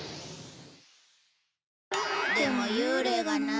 でも幽霊がなあ。